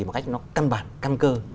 một cách nó căn bản căn cơ